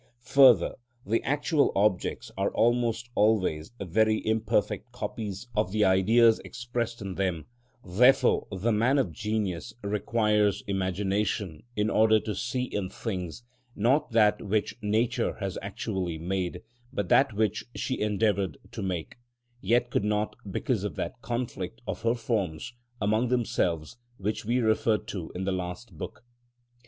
Further, the actual objects are almost always very imperfect copies of the Ideas expressed in them; therefore the man of genius requires imagination in order to see in things, not that which Nature has actually made, but that which she endeavoured to make, yet could not because of that conflict of her forms among themselves which we referred to in the last book.